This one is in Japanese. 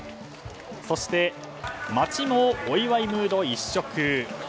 そして街もお祝いムード一色。